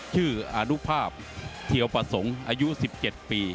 อนุภาพเทียวประสงค์อายุ๑๗ปี